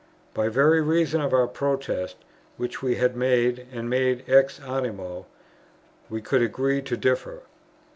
By very reason of our protest, which we had made, and made ex animo, we could agree to differ.